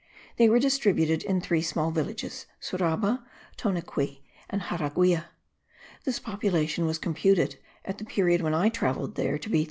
They were distributed in three small villages, Suraba, Toanequi and Jaraguia. This population was computed, at the period when I travelled there, to be 3000.